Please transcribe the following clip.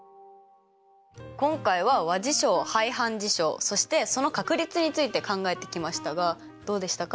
今回は和事象排反事象そしてその確率について考えてきましたがどうでしたか？